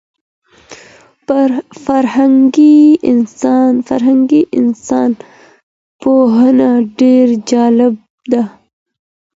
فرهنګي انسان پوهنه ډېره جالبه ده.